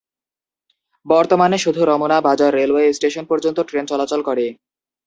বর্তমানে শুধু Ramna Bazar railway station পর্যন্ত ট্রেন চলাচল করে।